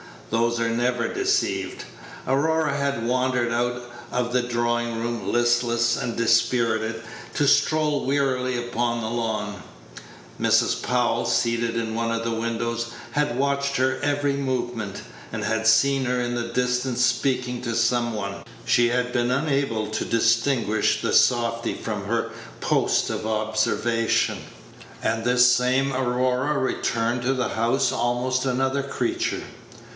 Those are never deceived. Aurora had wandered out of the drawing room, listless and dispirited, to stroll wearily upon the lawn Mrs. Powell, seated in one of the windows, had watched her every movement, and had seen her in the distance speaking to some one (she had been unable to distinguish the softy from her post of observation) and this same Aurora returned to the house almost another creature.